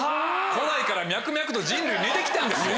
古代から脈々と人類寝て来たんですよ。